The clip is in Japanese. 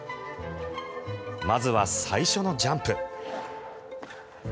まずは最初のジャンプ。